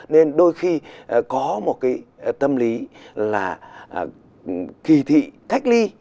nên đôi khi có một cái tâm lý là kỳ thị cách ly